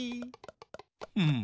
うん。